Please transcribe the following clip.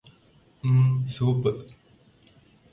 ഉം സൂപ്പ്